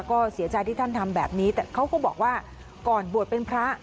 ก็เสียใจที่ท่านทำแบบนี้แต่เขาก็บอกว่าก่อนบวชเป็นพระ